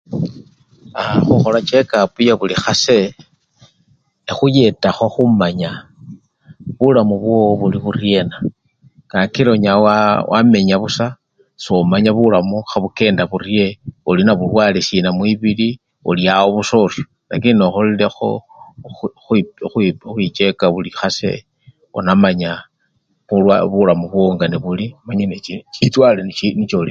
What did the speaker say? Aaa! khukhola chekapu yabuli khase, ekhuyetakho khumanya bulamu bwowo buli buryena, kakila onyala waa wamenya busa somanya bulamu khebukenda burye, olinabulwale sina mwibili, ulyawo busa orio lakini nokholilekho khukhu! ukhwo! khukhwicheka buli khase onamanya bulwa! bulamu bwowo nga nebuli omanye nechi! chindwale nicho olinacho.